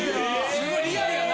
すごいリアルやな！